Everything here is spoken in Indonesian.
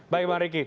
baik bang riki